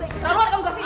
kita keluar kamu gavine